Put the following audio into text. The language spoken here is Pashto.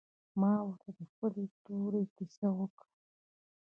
ما ورته د خپلې تورې کيسه وکړه.